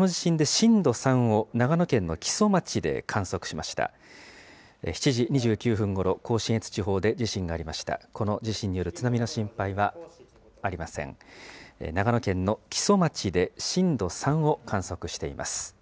長野県の木曽町で震度３を観測しています。